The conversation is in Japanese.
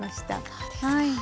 そうですか。